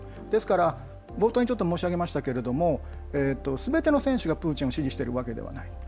ですから、冒頭にちょっと申し上げましたけれどもすべての選手がプーチンを支持しているわけではない。